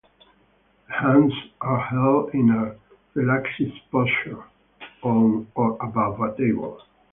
The hands are held in a relaxed posture on or above a table.